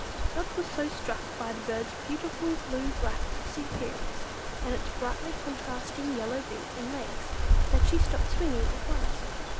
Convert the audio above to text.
Dot was so struck by the bird's beautiful blue black glossy appearance, and its brightly contrasting yellow beak and legs, that she stopped swinging at once.